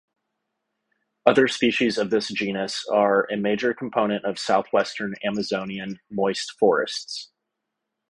Other species of this genus are a major component of Southwestern Amazonian moist forests.